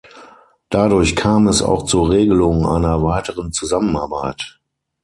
Dadurch kam es auch zur Regelung einer weiteren Zusammenarbeit.